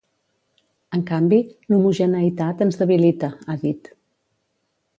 En canvi, l’homogeneïtat ens debilita, ha dit.